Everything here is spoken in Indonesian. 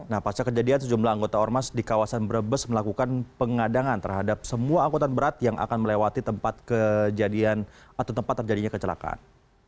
nah pas kejadian sejumlah anggota ormas di kawasan brebes melakukan pengadangan terhadap semua angkutan berat yang akan melewati tempat kejadian atau tempat terjadinya kecelakaan